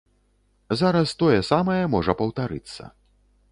Зараз тое самае можа паўтарыцца.